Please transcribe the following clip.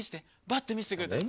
バッと見せてくれたら。